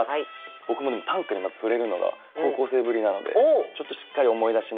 僕も短歌にまず触れるのが高校生ぶりなのでちょっとしっかり思い出しながら。